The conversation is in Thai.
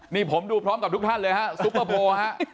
นี่ผมดูพร้อมกับทุกท่านเลยฮะซุปเปอร์โพลฮะ